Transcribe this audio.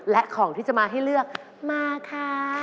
และของที่จะมาให้เลือกมาค่ะ